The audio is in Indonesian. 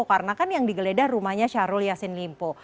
karena kan yang digeledah rumahnya syahrul yassin limpo